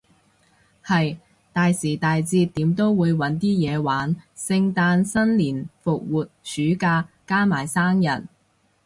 係，大時大節點都會搵啲嘢玩，聖誕新年復活暑假，加埋生日